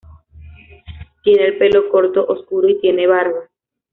Tiene el pelo corto, oscuro, y tiene barba.